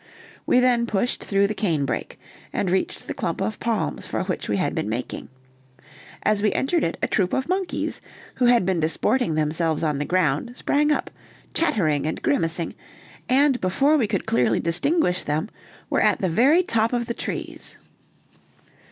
We then pushed through the cane brake, and reached the clump of palms for which we had been making; as we entered it a troop of monkeys, who had been disporting themselves on the ground, sprang up, chattering and grimacing, and before we could clearly distinguish them were at the very top of the trees.